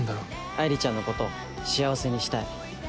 愛梨ちゃんのこと幸せにしたい。